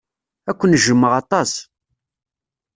Ad ken-jjmeɣ aṭas.